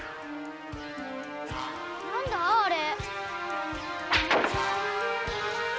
何だあれ？